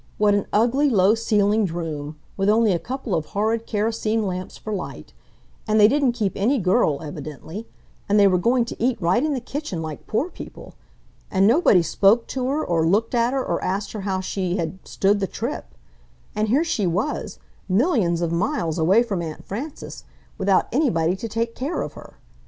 What an ugly, low ceilinged room, with only a couple of horrid kerosene lamps for light; and they didn't keep any girl, evidently; and they were going to eat right in the kitchen like poor people; and nobody spoke to her or looked at her or asked her how she had "stood the trip"; and here she was, millions of miles away from Aunt Frances, without anybody to take care of her.